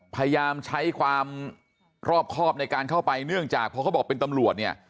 พยายามใช้ความรอบครอบในการเข้าไปเนื่องจากพอเขาบอกเป็นตำรวจเนี่ย